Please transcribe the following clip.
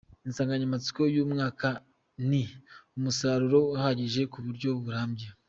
Insanganyamatsiko y’uyu mwaka ni: “Umusaruro uhagije ku buryo burambye’’.